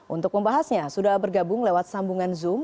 untuk membahasnya sudah bergabung lewat sambungan zoom